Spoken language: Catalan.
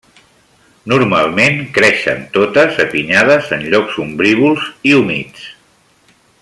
Normalment, creixen totes apinyades en llocs ombrívols i humits.